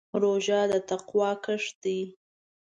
روژه د تقوا کښت دی.